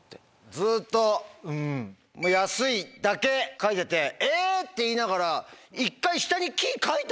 ずっと「安い」だけ書いてて「えぇ？」って言いながら１回下に「木」書いた。